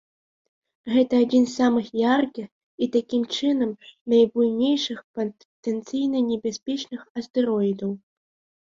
Гэта адзін з самых яркіх і, такім чынам, найбуйнейшых патэнцыйна небяспечных астэроідаў.